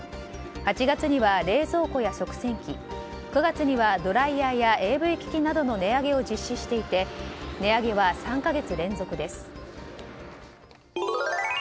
８月には、冷蔵庫や食洗機９月にはドライヤーやＡＶ機器などの値上げを実施していて値上げは３か月連続です。